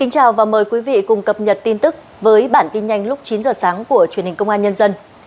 chào mừng quý vị đến với bản tin nhanh lúc chín h sáng của truyền hình công an nhân dân